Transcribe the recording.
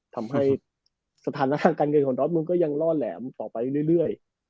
ทำให้สถานการณ์เงินของดอสเมืองก็ยังล่อแหลมต่อไปเรื่อย